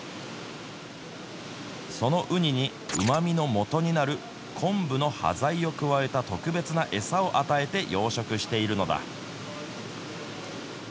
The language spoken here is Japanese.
そのウニに、うまみのもとになる昆布の端材を加えた特別な餌を与えて養殖しているのだ。